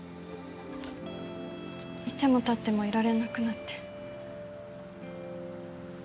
いてもたってもいられなくなって。